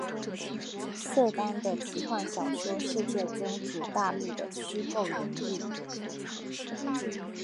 瑟丹的奇幻小说世界中土大陆的虚构人物。